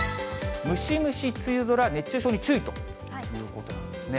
ムシムシ梅雨空、熱中症に注意ということなんですね。